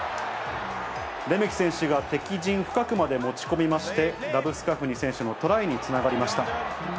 レメキ選手が敵陣深くまで持ち込みまして、ラブスカフニ選手のトライにつながりました。